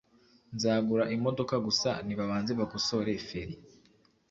nzagura imodoka gusa nibabanze bakosore feri